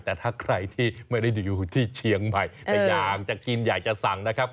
แต่ถ้าใครที่ไม่ได้อยู่ที่เชียงใหม่แต่อยากจะกินอยากจะสั่งนะครับ